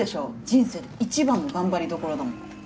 人生で一番の頑張りどころだもん